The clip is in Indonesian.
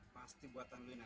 pasti buatan wino